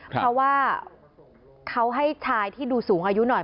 เพราะว่าเขาให้ชายที่ดูสูงอายุหน่อย